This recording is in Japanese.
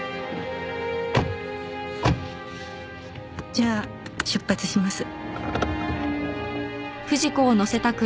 じゃあ出発します。